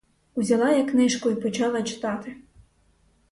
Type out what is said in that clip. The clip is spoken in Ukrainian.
Узяла я книжку й почала читати.